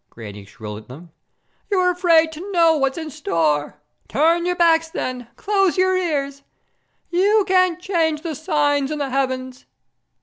Granny shrilled at them. "You're afraid to know what's in store! Turn your backs then! Close your ears! You can't change the signs in the heavens!"